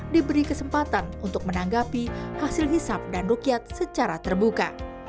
diberi kesempatan untuk menanggapi hasil hisap dan rukyat secara terbuka